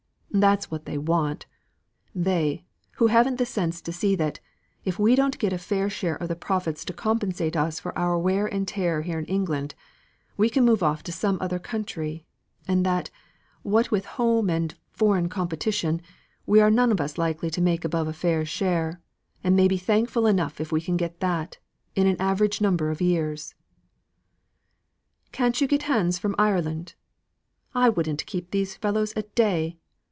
That's what they want they, who haven't the sense to see that, if we don't get a fair share of the profits to compensate us for our wear and tear here in England, we can move off to some other country; and that, what with home and foreign competition, we are none of us likely to make above a fair share, and may be thankful enough if we can get that, in an average number of years." "Can't you get hands from Ireland? I wouldn't keep these fellows a day.